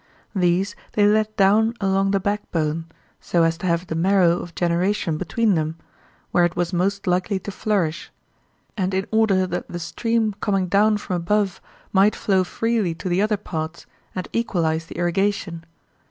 These they let down along the backbone, so as to have the marrow of generation between them, where it was most likely to flourish, and in order that the stream coming down from above might flow freely to the other parts, and equalize the irrigation.